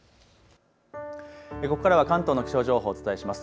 ここからは関東の気象情報をお伝えします。